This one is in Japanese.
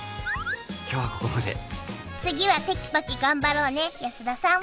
今日はここまで次はテキパキ頑張ろうね安田さん